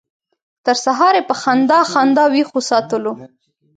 تر سهاره یې په خندا خندا ویښ وساتلو.